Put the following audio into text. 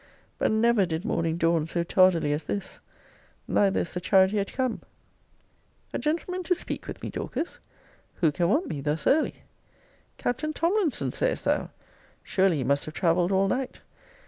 But never did morning dawn so tardily as this! Neither is the chariot yet come. A gentleman to speak with me, Dorcas? Who can want me thus early? Captain Tomlinson, sayest thou? Surely he must have traveled all night!